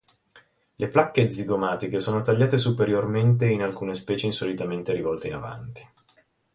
Le placche zigomatiche sono tagliate superiormente e in alcune specie insolitamente rivolte in avanti.